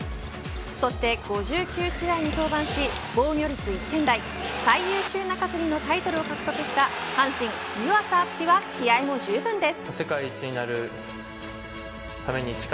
そして５９試合に登板し防御率２点台最優秀中継ぎのタイトルを獲得した阪神、湯浅京己は気合もじゅうぶんです。